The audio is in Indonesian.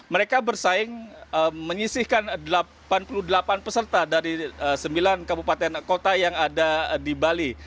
mereka bersaing menyisihkan delapan puluh delapan peserta dari sembilan kabupaten kota yang ada di bali